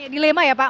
dilema ya pak